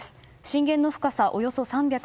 震源の深さはおよそ３５０ｋｍ。